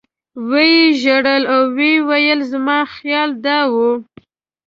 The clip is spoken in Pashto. و یې ژړل او ویې ویل زما خیال دا و.